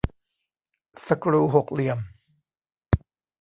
สกรูหกเหลี่ยม